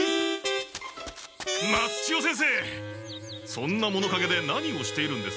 そんなものかげで何をしているんですか？